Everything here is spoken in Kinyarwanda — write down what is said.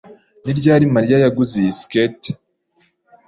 Ni ryari Mariya yaguze iyi skirt?